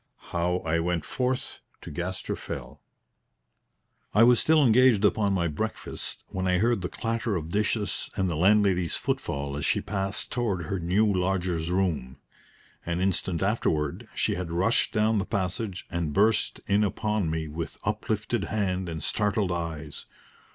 II HOW I WENT FORTH TO GASTER FELL I was still engaged upon my breakfast when I heard the clatter of dishes and the landlady's footfall as she passed toward her new lodger's room. An instant afterward she had rushed down the passage and burst in upon me with uplifted hand and startled eyes.